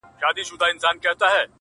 زه څلور ورځي مهلت درڅخه غواړم٫